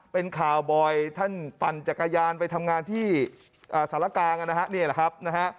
เป็นข่าวบ่อยท่านปั่นจักรยานไปทำงานที่สารกลางนะฮะนี่แหละครับนะฮะ